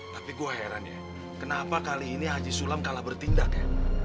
tapi gue heran ya kenapa kali ini haji sulam kalah bertindak ya